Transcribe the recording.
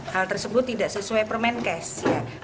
hal tersebut tidak sesuai permen kes